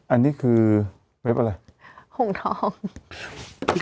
อันนี้คือเว็บอะไร